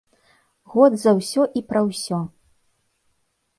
Год за ўсё і пра ўсё!